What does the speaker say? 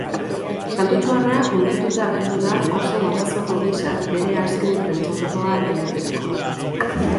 Santutxuarra hunkituta agertu da oso babazorro gisa bere azken prentsaurrekoa ematerakoan.